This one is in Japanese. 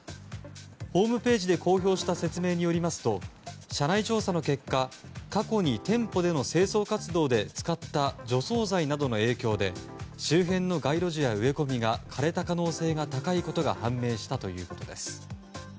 ホームページで公表した説明によりますと社内調査の結果、過去に店舗での清掃活動で使った除草剤などの影響で周辺の街路樹や植え込みが枯れた可能性が高いことが判明したということです。